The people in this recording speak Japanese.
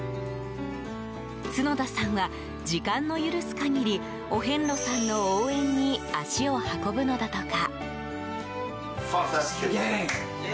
角田さんは、時間の許す限りお遍路さんの応援に足を運ぶのだとか。